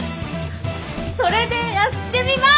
それでやってみます！